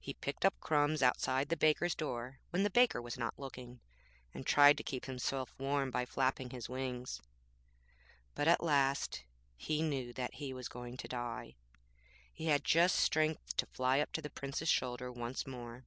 He picked up crumbs outside the baker's door when the baker was not looking, and tried to keep himself warm by flapping his wings. But at last he knew that he was going to die. He had just strength to fly up to the Prince's shoulder once more.'